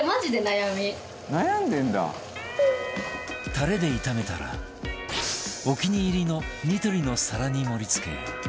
タレで炒めたらお気に入りのニトリの皿に盛り付け